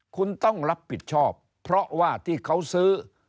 คุณต้องรับผิดชอบเพราะว่าที่เขาซื้อ